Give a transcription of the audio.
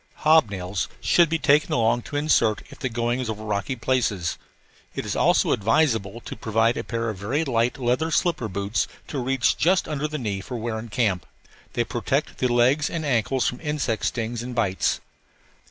Hob nails should be taken along to insert if the going is over rocky places. It is also advisable to provide a pair of very light leather slipper boots to reach to just under the knee for wear in camp. They protect the legs and ankles from insect stings and bites.